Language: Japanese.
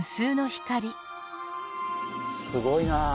すごいなあ。